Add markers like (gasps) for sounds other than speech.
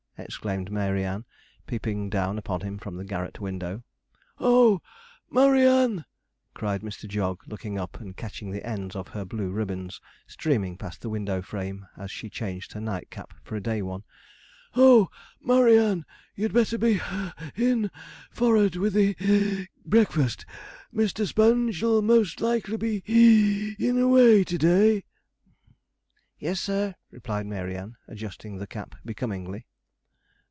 exclaimed Mary Ann, peeping down upon him from the garret window. 'Oh, Murry Ann,' cried Mr. Jog, looking up, and catching the ends of her blue ribbons streaming past the window frame, as she changed her nightcap for a day one, 'oh, Murry Ann, you'd better be (puff)in' forrard with the (gasps) breakfast; Mr. Sponge'll most likely be (wheeze)in' away to day.' 'Yes, sir,' replied Mary Ann, adjusting the cap becomingly.